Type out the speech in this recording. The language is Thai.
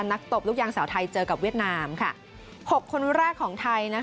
นักตบลูกยางสาวไทยเจอกับเวียดนามค่ะหกคนแรกของไทยนะคะ